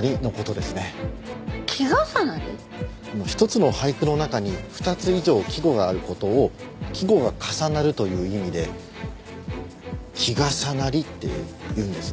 １つの俳句の中に２つ以上季語がある事を季語が重なるという意味で「季重なり」っていうんです。